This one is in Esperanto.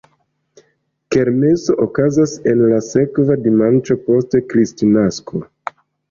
Kermeso okazas en la sekva dimanĉo post Kristnasko.